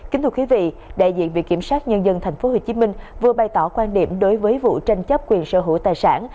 kính thưa quý vị đại diện viện kiểm sát nhân dân tp hcm vừa bày tỏ quan điểm đối với vụ tranh chấp quyền sở hữu tài sản